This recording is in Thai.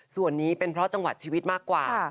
ส่วนนี้เป็นเพราะจังหวัดชีวิตมากกว่า